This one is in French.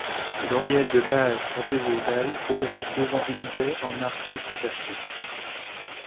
L'oriel de base trapézoïdale se dresse devant une baie en arc outrepassé.